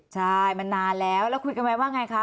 ใช่มันนานแล้วแล้วคุยกันไหมว่าไงคะ